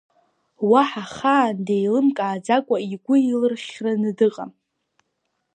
Уаҳа ахаан деилымкааӡакәа игәы илырхьраны дыҟам…